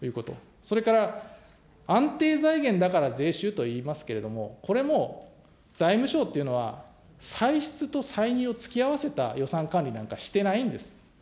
それから、安定財源だから税収といいますけれども、これも、財務省っていうのは、歳出と歳入をつきあわせた予算管理なんかしてないんです。